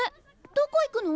どこ行くの？